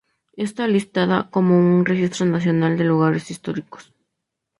Está listada como un Registro Nacional de Lugares Históricos.